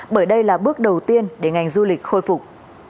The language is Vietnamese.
bởi đây là bước đầu tiên để ngành du lịch khôi phục